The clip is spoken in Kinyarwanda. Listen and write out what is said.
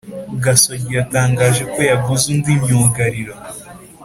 Gasogi yatangaje ko yaguze undi myugariro